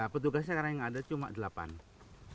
ya petugasnya sekarang yang ada cuma delapan